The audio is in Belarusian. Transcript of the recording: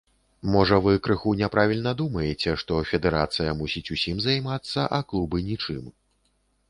Можа вы крыху няправільна думаеце, што федэрацыя мусіць усім займацца, а клубы нічым.